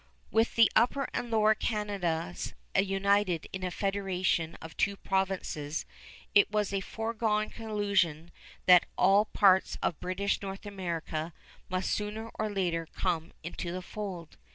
With the Upper and Lower Canadas united in a federation of two provinces, it was a foregone conclusion that all parts of British North America must sooner or later come into the fold.